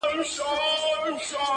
کرونا راغلې پر انسانانو!!